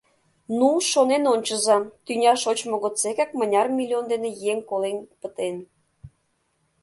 Ну, шонен ончыза, тӱня шочмо годсекак мыняр миллион дене еҥ колен пытен?